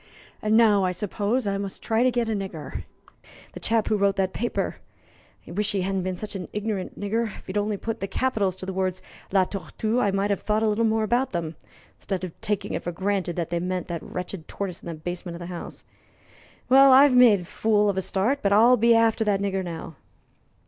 And now I suppose I must try to get a nigger the chap who wrote that paper. I wish he hadn't been such an ignorant nigger. If he'd only have put the capitals to the words 'La Tortue,' I might have thought a little more about them, instead of taking it for granted that they meant that wretched tortoise in the basement of the house. Well, I've made a fool of a start, but I'll be after that nigger now."